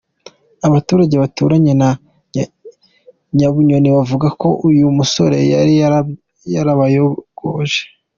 Abaturage baturanye na Nyabunyoni bavuga ko uyu musore yari yarabayogoje.